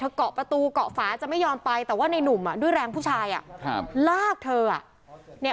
เธอกะประตูกะฝาจะไม่ยอมไปแต่ว่าในนุ่มด้วยแรงผู้ชายลากเธอ